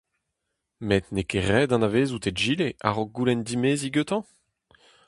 Met n'eo ket ret anavezout egile a-raok goulenn dimeziñ gantañ ?